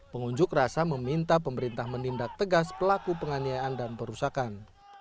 pengunjuk rasa meminta pemerintah menindak tegas pelaku penganiayaan dan perusakan